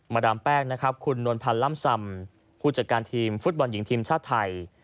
ดามแป้งนะครับคุณนวลพันธ์ล่ำซำผู้จัดการทีมฟุตบอลหญิงทีมชาติไทย